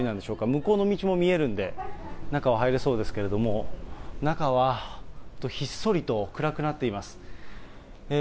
向こうの道も見えるんで、中は入れそうですけれども、中はひっそりと暗くなっています。